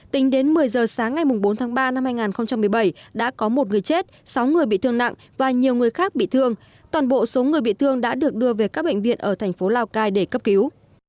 tính đến một mươi giờ sáng ngày bốn tháng ba năm hai nghìn một mươi bảy đã có một người chết sáu người bị thương nặng và nhiều người khác bị thương toàn bộ số người bị thương đã được đưa về các bệnh viện ở thành phố lào cai để cấp cứu